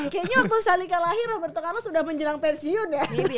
kayaknya waktu salika lahir roberto carlos udah menjelang pensiun ya